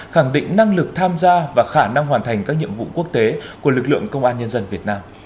khẳng định năng lực tham gia và khả năng hoàn thành các nhiệm vụ quốc tế của lực lượng công an nhân dân việt nam